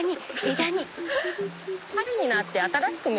枝に！